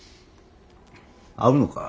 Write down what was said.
会うのか。